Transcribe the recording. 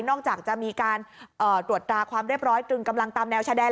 จากจะมีการตรวจตราความเรียบร้อยตรึงกำลังตามแนวชายแดน